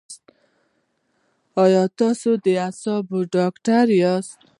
ایا تاسو د اعصابو ډاکټر یاست؟